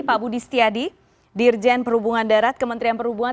pak budi setiadi dirjen perhubungan darat kementerian perhubungan